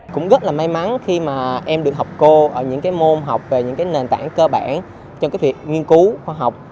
cũng rất là may mắn khi mà em được học cô ở những môn học về những cái nền tảng cơ bản cho cái việc nghiên cứu khoa học